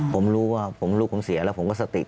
ผมรู้ว่าลูกผมเสียแล้วผมก็สติ